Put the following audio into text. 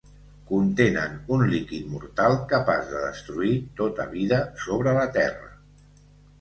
Contenen un líquid mortal, capaç de destruir tota vida sobre la Terra.